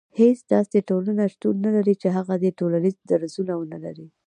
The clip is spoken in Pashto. هيڅ داسي ټولنه شتون نه لري چي هغه دي ټولنيز درځونه ونلري